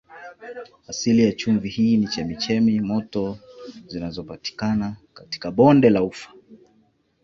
Asili ya chumvi hii ni chemchemi moto zinazopatikana katika bonde la Ufa.